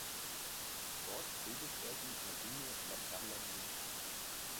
Dort bildet er die Lagune La Perla Blu.